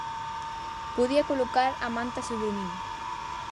Podía colocar a manta sobre min.